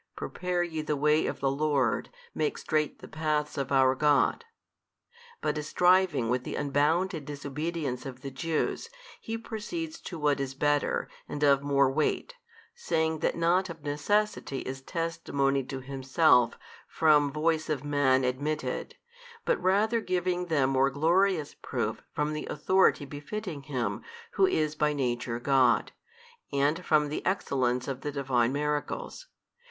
Prepare ye the way of the Lord, make straight the paths of our God) but as striving with the unbounded disobedience of the Jews He proceeds to what is better and of more weight, saying that not of necessity is testimony to Himself from voice of man admitted, but rather giving them more glorious proof from the Authority befitting Him Who is by Nature God, and from the Excellence of the Divine Miracles.